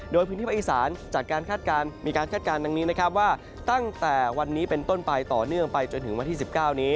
โดยพื้นที่ภาคอีสานจากการมีการคาดการณ์ดังนี้นะครับว่าตั้งแต่วันนี้เป็นต้นไปต่อเนื่องไปจนถึงวันที่๑๙นี้